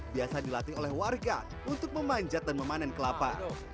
biasa dilatih oleh warga untuk memanjat dan memanen kelapa